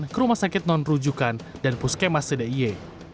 ke rumah sakit non rujukan dan puskemas d i e